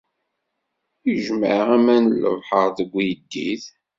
Ijmeɛ aman n lebḥer deg uyeddid.